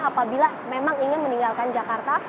apabila memang ingin meninggalkan jakarta